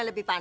oh ini dia